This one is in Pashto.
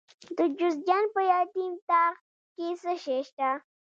د جوزجان په یتیم تاغ کې څه شی شته؟